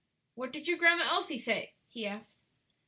"What did your Grandma Elsie say?" he asked.